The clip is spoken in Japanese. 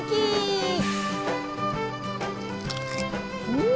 うん！